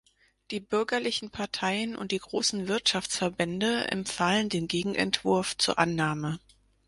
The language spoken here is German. Die bürgerlichen Parteien und die grossen Wirtschaftsverbände empfahlen den Gegenentwurf zur Annahme.